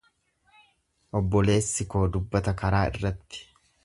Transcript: Obboleessi koo dubbata karaa irratti.